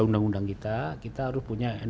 undang undang kita kita harus punya